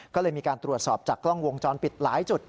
ก็เลยมีการตรวจสอบจากกล้องวงจรปิดหลายจุด